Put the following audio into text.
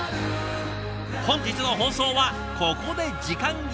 本日の放送はここで時間切れ。